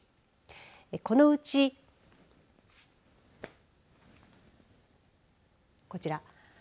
このうちこちら。